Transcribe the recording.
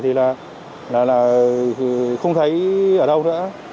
thì là không thấy ở đâu nữa